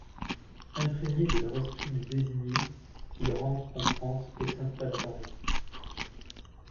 Imprégné de leur esprit de designer, il rentre en France et s’installe à Paris.